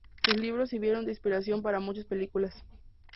Sus libros sirvieron de inspiración para muchas películas.